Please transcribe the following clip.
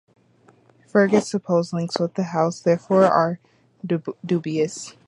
Fergus' supposed links with this house, therefore, are dubious.